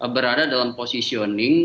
berada dalam positioning